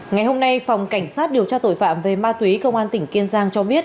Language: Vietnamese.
ngày hôm nay phòng cảnh sát điều tra tội phạm về ma túy công an tỉnh kiên giang cho biết